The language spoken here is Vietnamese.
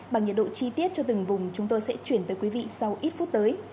bằng nhiệt độ chi tiết cho từng vùng chúng tôi sẽ chuyển tới quý vị sau ít phút tới